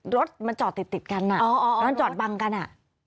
รถมันจอดติดกันอ่ะมันจอดบังกันอ่ะ